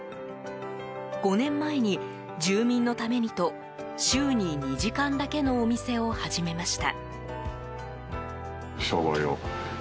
５年前に住民のためにと週に２時間だけのお店を始めました。